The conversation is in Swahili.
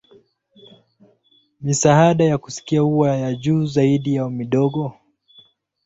Misaada ya kusikia huwa ya juu zaidi au midogo.